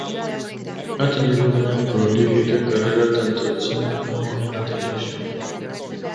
Ha tenido una prolífica carrera tanto el cine como en la televisión.